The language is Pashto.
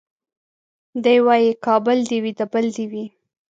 دی وايي کابل دي وي د بل دي وي